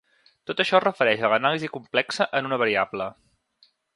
Tot això es refereix a l'anàlisi complexa en una variable.